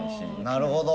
なるほど。